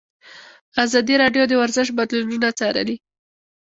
ازادي راډیو د ورزش بدلونونه څارلي.